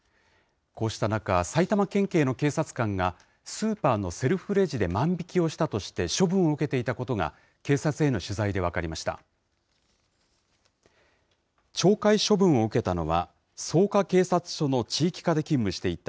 こうした中、埼玉県警の警察官がスーパーのセルフレジで万引きをしたとして、処分を受けていたことが、警察への取材で分かりました。